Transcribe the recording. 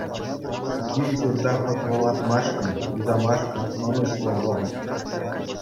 Кил-ҫурта хӑтлӑлатмашкӑн, юсамашкӑн ӑнӑҫлӑ вӑхӑт.